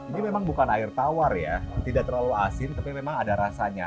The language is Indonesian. ini memang bukan air tawar ya tidak terlalu asin tapi memang ada rasanya